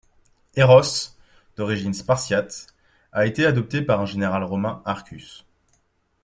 Heros, d’origine spartiate, a été adopté par un général romain, Arcus.